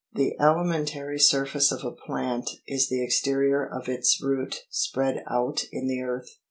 [The alimentary surface of a plant is the exterior of its root spread out in the earth.